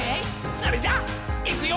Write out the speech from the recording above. それじゃいくよ」